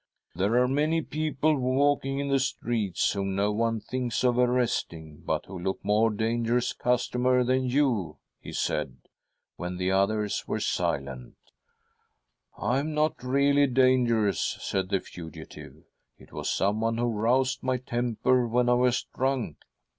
"' There are many people walking the streets, whom no one thinks of arresting, but who look ,.;.. 156 THY SOUL SHALL BEAR WITNESS! more dangerous customers than you,' he said, when the others were silent. ' I am not really dangerous,' . said the fugitive ;' it was someone who roused my temper when I was drunk